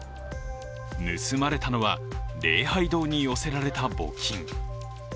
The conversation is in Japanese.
盗まれたのは礼拝堂に寄せられた募金。